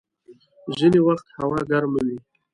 ځيني وخت هوا ګرمه وي.